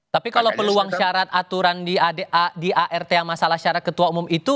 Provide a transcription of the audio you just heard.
tapi kalau peluang syarat aturan di art yang masalah syarat ketua umum itu